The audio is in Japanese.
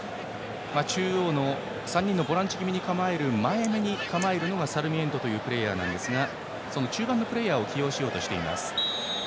中央の３人のボランチ気味に構える前めに入るのがサルミエントというプレーヤーなんですがその中盤のプレーヤーを起用しようとしています。